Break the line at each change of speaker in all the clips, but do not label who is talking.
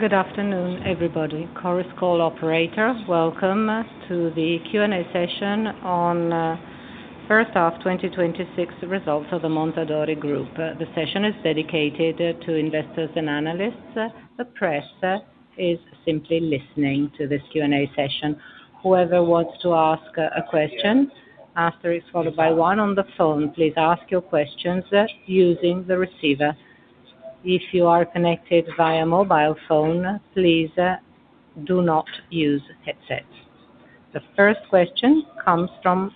Good afternoon, everybody. Conference call operator. Welcome to the Q&A session on first half 2026 results of the Mondadori Group. The session is dedicated to investors and analysts. The press is simply listening to this Q&A session. Whoever wants to ask a question, after it's followed by one on the phone, please ask your questions using the receiver. If you are connected via mobile phone, please do not use headsets. The first question comes from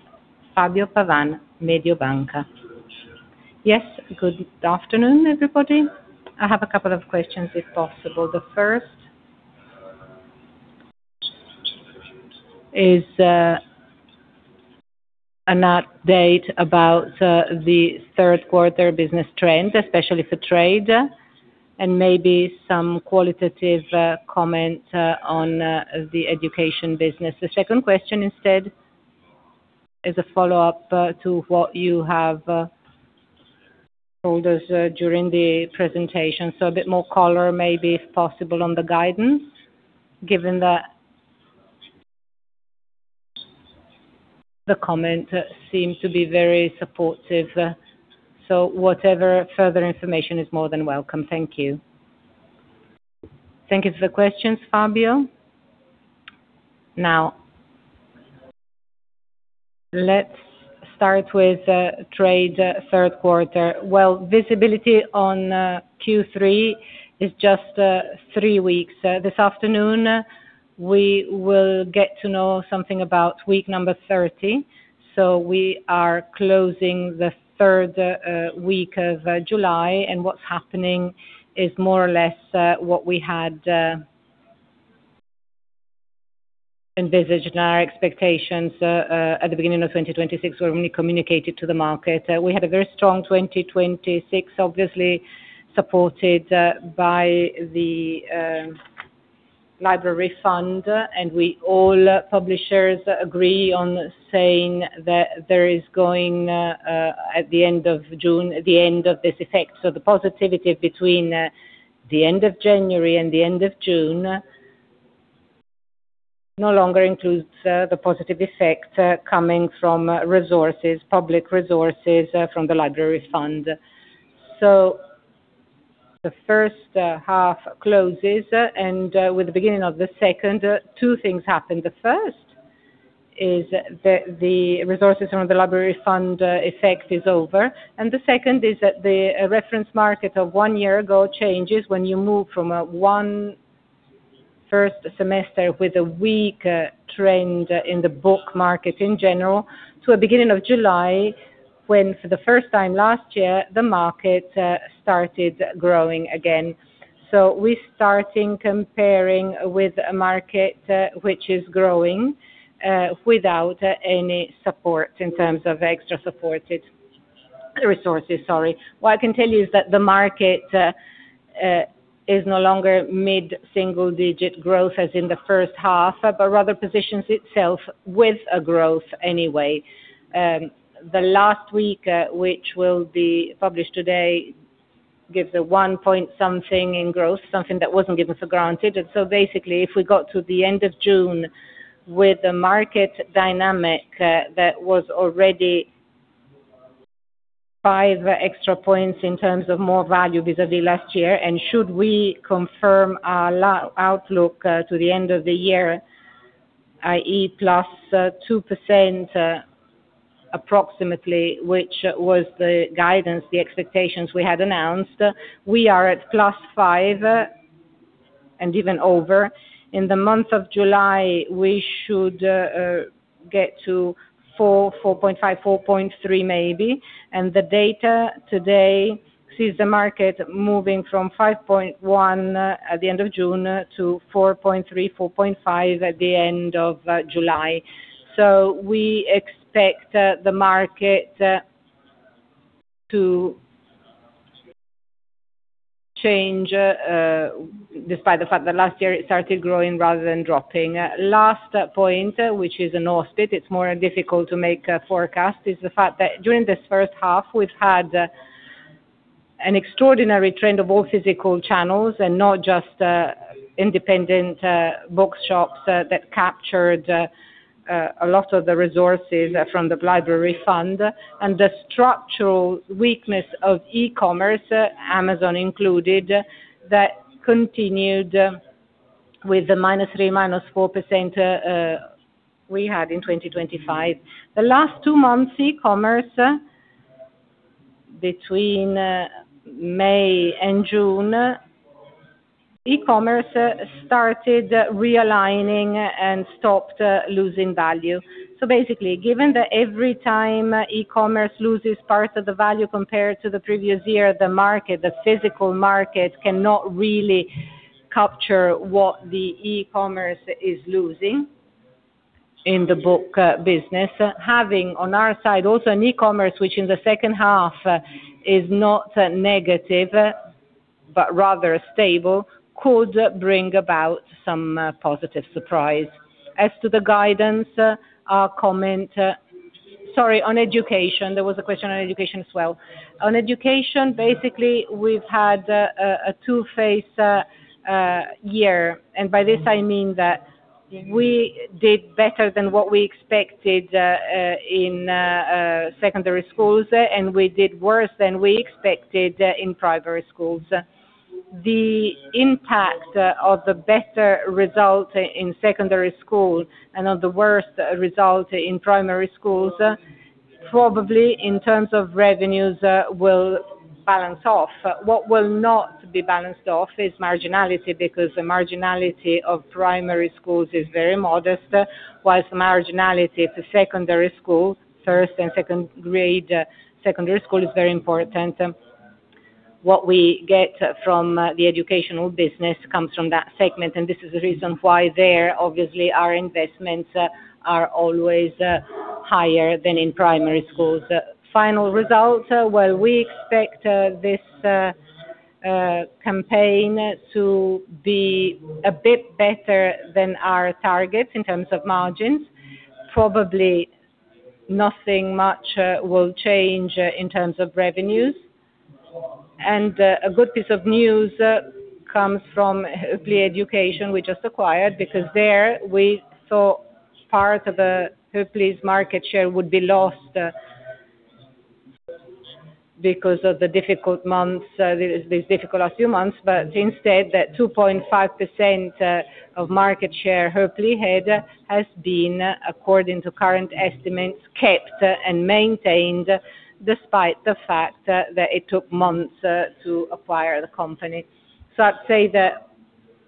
Fabio Pavan, Mediobanca.
Yes, good afternoon, everybody. I have a couple of questions, if possible. The first is an update about the third quarter business trend, especially for trade, and maybe some qualitative comment on the education business. Second question instead is a follow-up to what you have told us during the presentation. A bit more color maybe, if possible, on the guidance, given that the comment seemed to be very supportive. Whatever further information is more than welcome. Thank you.
Thank you for the questions, Fabio. Let's start with trade third quarter. Visibility on Q3 is just three weeks. This afternoon, we will get to know something about week number 30. We are closing the third week of July, and what's happening is more or less what we had envisaged, and our expectations at the beginning of 2026, when we communicated to the market. We had a very strong 2026, obviously supported by the Library Fund, and we all publishers agree on saying that there is going at the end of June, the end of this effect. The positivity between the end of January and the end of June no longer includes the positive effect coming from resources, public resources from the Library Fund. The first half closes, and with the beginning of the second, two things happen. The first is that the resources from the Library Fund effect is over. The second is that the reference market of one year ago changes when you move from one first semester with a weak trend in the book market in general to a beginning of July, when for the first time last year, the market started growing again. We are starting comparing with a market which is growing without any support in terms of extra supported resources, sorry. What I can tell you is that the market is no longer mid-single digit growth as in the first half, but rather positions itself with a growth anyway. The last week, which will be published today, gives a one point something in growth, something that wasn't given for granted. Basically, if we got to the end of June with the market dynamic that was already 5 extra points in terms of more value vis-à-vis last year, and should we confirm our outlook to the end of the year, i.e. +2% approximately, which was the guidance, the expectations we had announced, we are at +5 and even over. In the month of July, we should get to 4.5, 4.3 maybe, and the data today sees the market moving from 5.1 at the end of June to 4.3, 4.5 at the end of July. We expect the market to change despite the fact that last year it started growing rather than dropping. Last point, which is an offset, it's more difficult to make a forecast, is the fact that during this first half, we've had an extraordinary trend of all physical channels and not just independent bookshops that captured a lot of the resources from the Library Fund, and the structural weakness of e-commerce, Amazon included, that continued with the -3%, -4% we had in 2025. The last two months, e-commerce between May and June, e-commerce started realigning and stopped losing value. Basically, given that every time e-commerce loses part of the value compared to the previous year, the market, the physical market cannot really capture what the e-commerce is losing in the book business. Having on our side also an e-commerce which in the second half is not negative but rather stable could bring about some positive surprise. As to the guidance, our comment. Sorry, on education. There was a question on education as well. On education, basically, we've had a two-phase year. By this I mean that we did better than what we expected in secondary schools, and we did worse than we expected in primary schools. The impact of the better result in secondary schools and of the worst result in primary schools, probably in terms of revenues, will balance off. What will not be balanced off is marginality, because the marginality of primary schools is very modest, whilst the marginality at the secondary school, first and second grade secondary school, is very important. What we get from the educational business comes from that segment. This is the reason why there obviously our investments are always higher than in primary schools. Final results, well, we expect this campaign to be a bit better than our targets in terms of margins. Probably nothing much will change in terms of revenues. A good piece of news comes from Hoepli Education we just acquired, because there we thought part of Hoepli's market share would be lost because of these difficult last few months. Instead, that 2.5% of market share Hoepli had has been, according to current estimates, kept and maintained despite the fact that it took months to acquire the company. I'd say that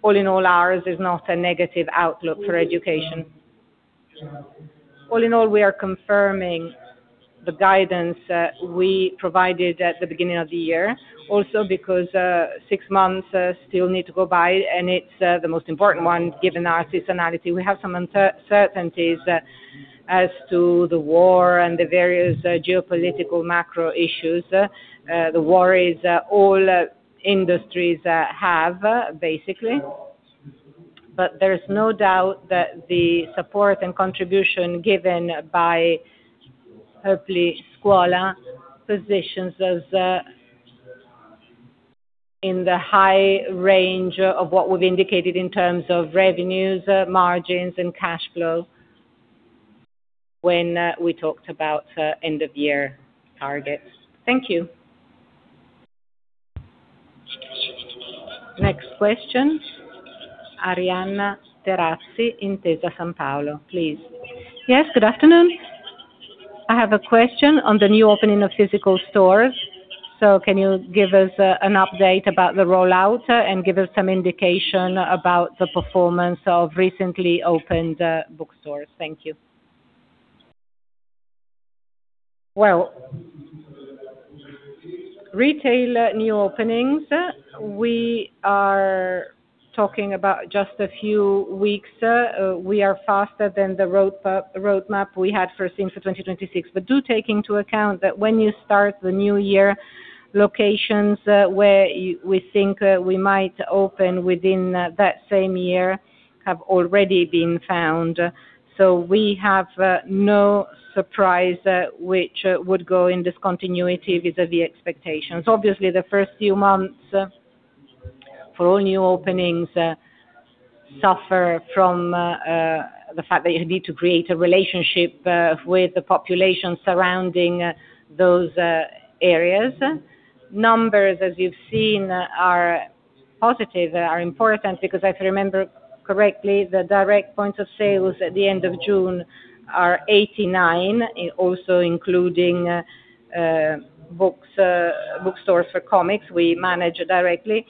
all in all, ours is not a negative outlook for education. All in all, we are confirming the guidance that we provided at the beginning of the year. Also because six months still need to go by. It's the most important one given our seasonality. We have some uncertainties as to the war and the various geopolitical macro issues. The worries all industries have, basically. There's no doubt that the support and contribution given by Hoepli Scuola positions us in the high range of what we've indicated in terms of revenues, margins, and cash flow when we talked about end-of-year targets. Thank you.
Next question, Arianna Terazzi, Intesa Sanpaolo, please.
Yes, good afternoon. I have a question on the new opening of physical stores. Can you give us an update about the rollout and give us some indication about the performance of recently opened bookstores? Thank you.
Well, retail new openings, we are talking about just a few weeks. We are faster than the roadmap we had foreseen for 2026. Do take into account that when you start the new year, locations where we think we might open within that same year have already been found. We have no surprise which would go in discontinuity vis-à-vis expectations. Obviously, the first few months for all new openings suffer from the fact that you need to create a relationship with the population surrounding those areas. Numbers, as you've seen, are positive, are important, because if I remember correctly, the direct points of sales at the end of June are 89, also including bookstores for comics we manage directly.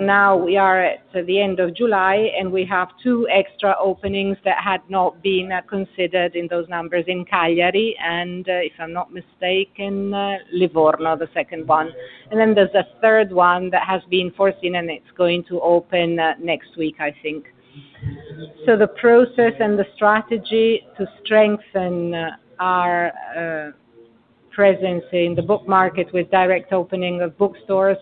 Now we are at the end of July, and we have two extra openings that had not been considered in those numbers in Cagliari, and if I'm not mistaken, Livorno, the second one. Then there's a third one that has been foreseen, and it's going to open next week, I think. The process and the strategy to strengthen our presence in the book market with direct opening of bookstores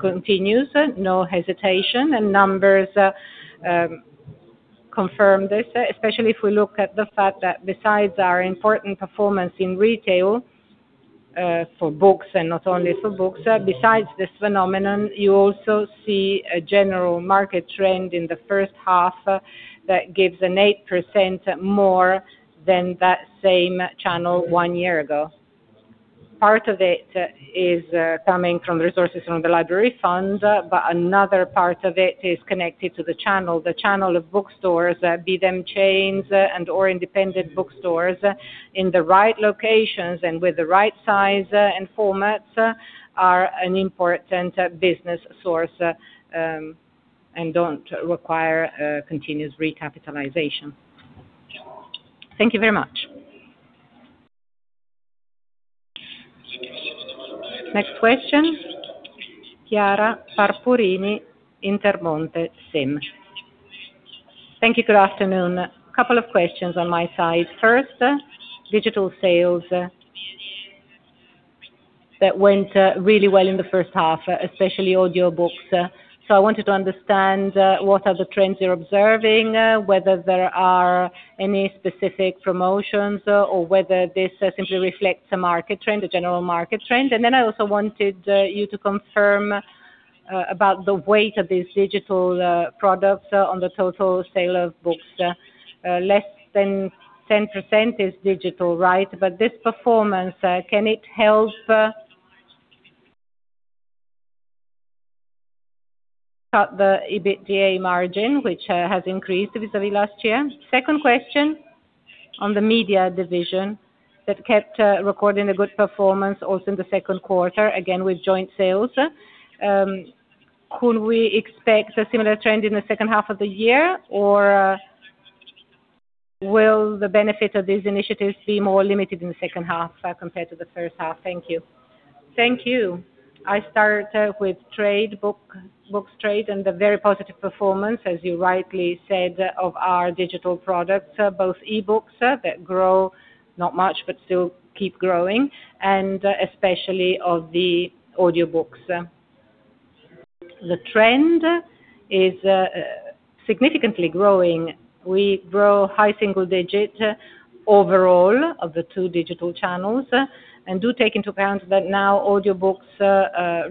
continues. No hesitation, numbers confirm this, especially if we look at the fact that besides our important performance in retail for books and not only for books, besides this phenomenon, you also see a general market trend in the first half that gives an 8% more than that same channel one year ago. Part of it is coming from resources from the Library Fund, but another part of it is connected to the channel. The channel of bookstores, be them chains and/or independent bookstores in the right locations and with the right size and formats, are an important business source, and don't require continuous recapitalization. Thank you very much.
Next question, Chiara Pampurini, Intermonte SIM.
Thank you. Good afternoon. Couple of questions on my side. First, digital sales That went really well in the first half, especially audiobooks. I wanted to understand what are the trends you're observing, whether there are any specific promotions or whether this simply reflects a market trend, a general market trend. Then I also wanted you to confirm about the weight of these digital products on the total sale of books. Less than 10% is digital, right? This performance, can it help cut the EBITDA margin, which has increased vis-a-vis last year? Second question on the media division that kept recording a good performance also in the second quarter, again with joint sales. Could we expect a similar trend in the second half of the year, or will the benefit of these initiatives be more limited in the second half compared to the first half? Thank you.
Thank you. I start with books trade and the very positive performance, as you rightly said, of our digital products, both e-books that grow, not much, still keep growing, especially of the audiobooks. The trend is significantly growing. We grow high single digit overall of the two digital channels. Do take into account that now audiobooks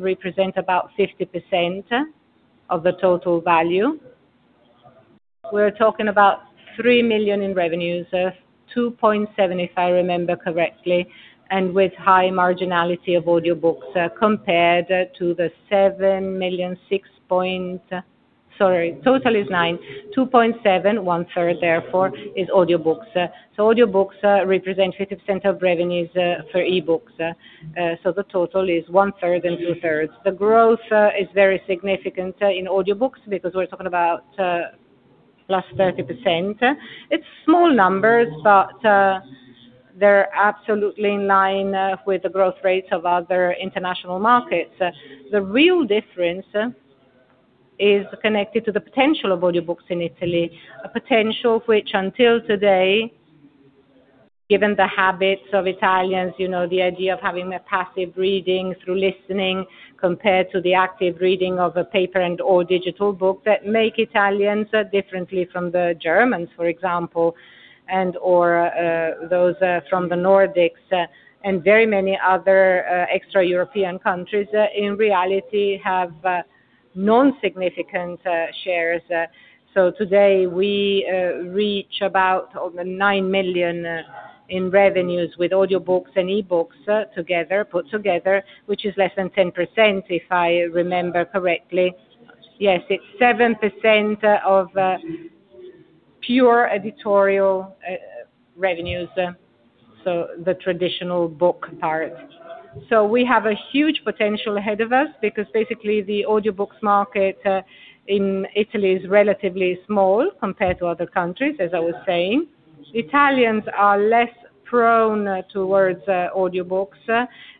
represent about 50% of the total value. We're talking about 3 million in revenues, 2.7 million if I remember correctly, and with high marginality of audiobooks compared to the 7 million. Sorry, total is 9 million, 2.7 million, 1/3 therefore is audiobooks. Audiobooks represent 50% of revenues for e-books. The total is 1/3 and 2/3. The growth is very significant in audiobooks because we're talking about plus 30%. It's small numbers, but they're absolutely in line with the growth rates of other international markets. The real difference is connected to the potential of audiobooks in Italy, a potential which until today, given the habits of Italians, the idea of having a passive reading through listening compared to the active reading of a paper and/or digital book that make Italians differently from the Germans, for example, and/or those from the Nordics and very many other extra-European countries in reality have non-significant shares. Today we reach about 9 million in revenues with audiobooks and e-books put together, which is less than 10% if I remember correctly. Yes, it's 7% of pure editorial revenues, so the traditional book part. We have a huge potential ahead of us because basically the audiobooks market in Italy is relatively small compared to other countries, as I was saying. Italians are less prone towards audiobooks,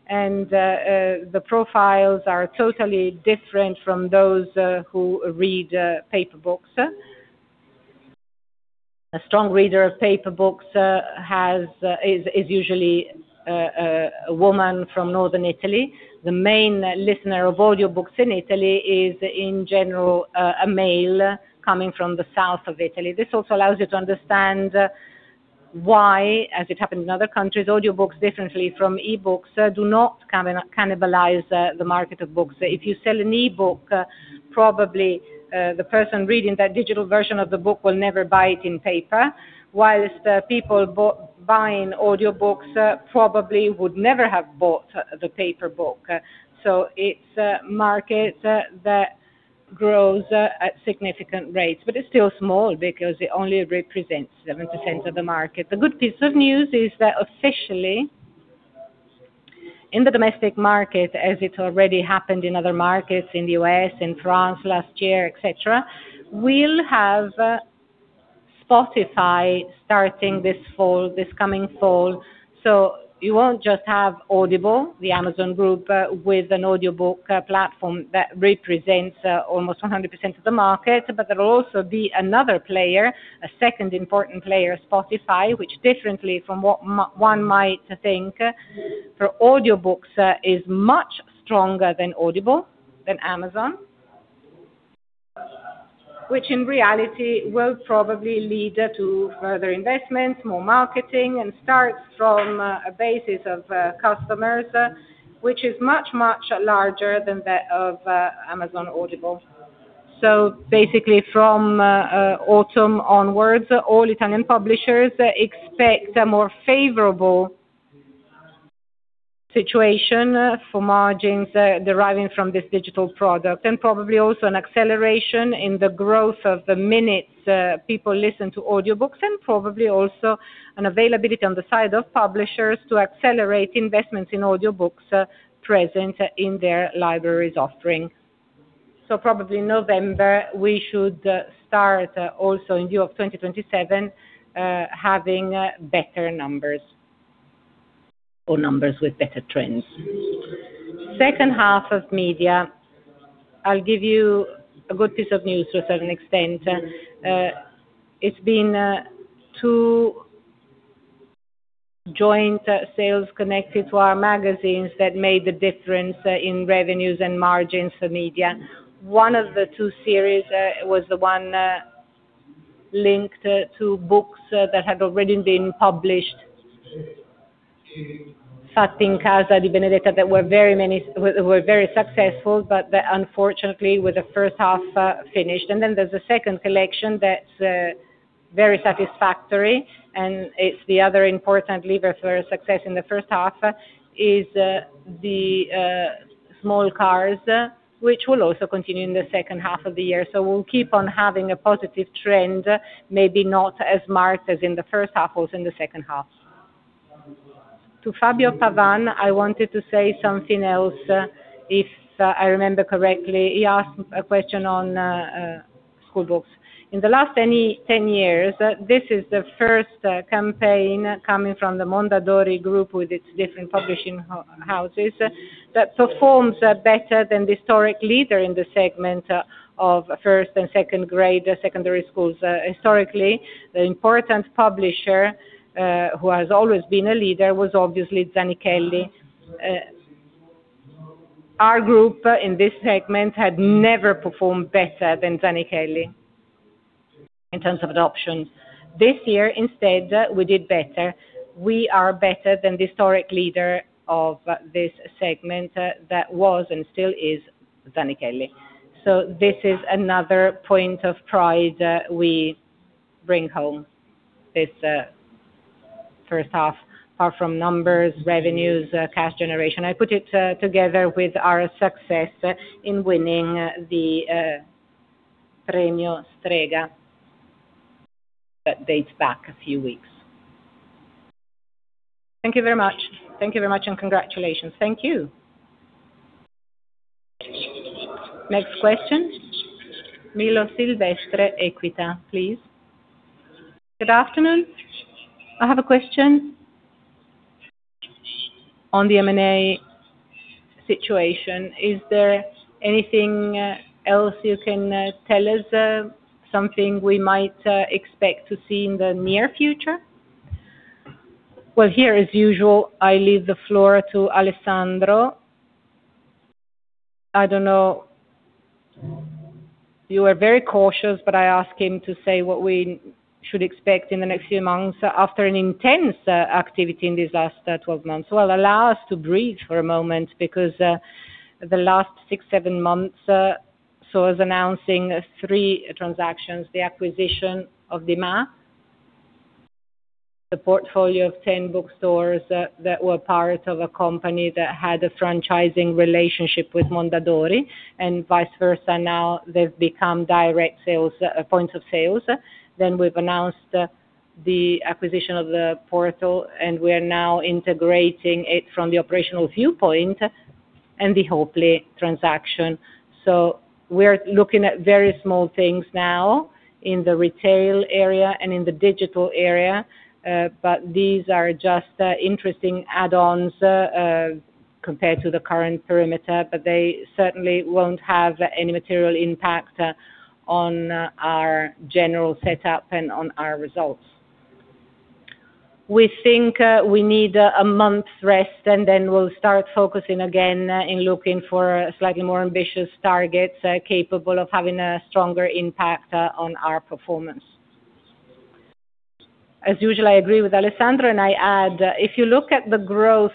and the profiles are totally different from those who read paper books. A strong reader of paper books is usually a woman from Northern Italy. The main listener of audiobooks in Italy is, in general, a male coming from the south of Italy. This also allows you to understand why, as it happened in other countries, audiobooks differently from e-books do not cannibalize the market of books. If you sell an e-book, probably the person reading that digital version of the book will never buy it in paper, whilst people buying audiobooks probably would never have bought the paper book. It's a market that grows at significant rates, but it's still small because it only represents 7% of the market. The good piece of news is that officially in the domestic market, as it already happened in other markets in the U.S., in France last year, et cetera, we'll have Spotify starting this coming fall. You won't just have Audible, the Amazon Group, with an audiobook platform that represents almost 100% of the market. There will also be another player, a second important player, Spotify, which differently from what one might think for audiobooks, is much stronger than Audible than Amazon. Which in reality will probably lead to further investments, more marketing, and starts from a basis of customers, which is much, much larger than that of Amazon Audible. Basically from autumn onwards, all Italian publishers expect a more favorable situation for margins deriving from this digital product, and probably also an acceleration in the growth of the minutes people listen to audiobooks, and probably also an availability on the side of publishers to accelerate investments in audiobooks present in their libraries offering. Probably November, we should start also in view of 2027 having better numbers or numbers with better trends. Second half of media I'll give you a good piece of news to a certain extent. It's been two joint sales connected to our magazines that made the difference in revenues and margins for media. One of the two series was the one linked to books that had already been published, "Fatto in casa da Benedetta," that were very successful, but that unfortunately were the first half finished. There's a second collection that's very satisfactory, and it's the other important lever for success in the first half, is the small cars, which will also continue in the second half of the year. We'll keep on having a positive trend, maybe not as marked as in the first half or in the second half. To Fabio Pavan, I wanted to say something else. If I remember correctly, he asked a question on school books. In the last 10 years, this is the first campaign coming from the Mondadori Group with its different publishing houses that performs better than the historic leader in the segment of first and second grade secondary schools. Historically, the important publisher, who has always been a leader, was obviously Zanichelli. Our group in this segment had never performed better than Zanichelli in terms of adoption. This year instead, we did better. We are better than the historic leader of this segment that was, and still is, Zanichelli. This is another point of pride we bring home this first half, apart from numbers, revenues, cash generation. I put it together with our success in winning the Premio Strega that dates back a few weeks. Thank you very much.
Thank you very much, and congratulations.
Thank you.
Next question. Milo Silvestre, Equita, please.
Good afternoon. I have a question on the M&A situation. Is there anything else you can tell us? Something we might expect to see in the near future?
Here, as usual, I leave the floor to Alessandro.
I don't know. You were very cautious, I ask him to say what we should expect in the next few months after an intense activity in these last 12 months. Allow us to breathe for a moment because the last six, seven months saw us announcing three transactions: the acquisition of Dimah, the portfolio of 10 bookstores that were part of a company that had a franchising relationship with Mondadori, and vice versa, now they've become direct points of sales. We've announced the acquisition of the portal, and we are now integrating it from the operational viewpoint, and the Hoepli transaction. We're looking at very small things now in the retail area and in the digital area. These are just interesting add-ons compared to the current perimeter, they certainly won't have any material impact on our general setup and on our results. We think we need a month's rest, we'll start focusing again in looking for slightly more ambitious targets capable of having a stronger impact on our performance.
As usual, I agree with Alessandro, I add, if you look at the growth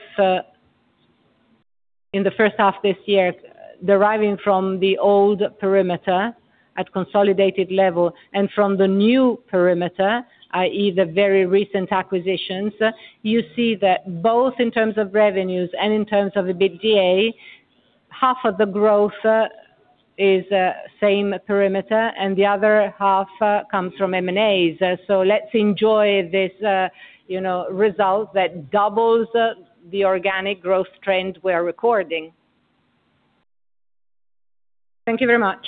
in the first half this year, deriving from the old perimeter at consolidated level and from the new perimeter, i.e. the very recent acquisitions, you see that both in terms of revenues and in terms of the EBITDA, half of the growth is same perimeter and the other half comes from M&As. Let's enjoy this result that doubles the organic growth trend we are recording. Thank you very much.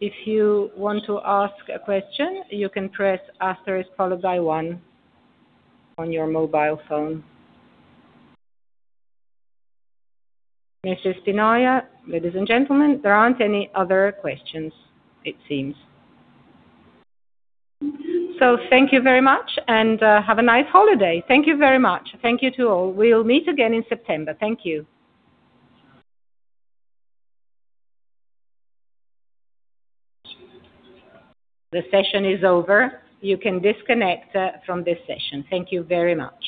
If you want to ask a question, you can press asterisk followed by one on your mobile phone. Mr. Antonio, ladies and gentlemen, there aren't any other questions, it seems.
Thank you very much, have a nice holiday. Thank you very much. Thank you to all. We'll meet again in September.
Thank you. The session is over. You can disconnect from this session. Thank you very much.